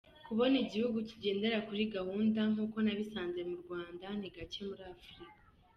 Kubona igihugu kigendera kuri gahunda nk’uko nabisanze mu Rwanda ni gacye muri Afurika.